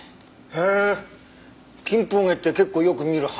へえキンポウゲって結構よく見る花なのにね。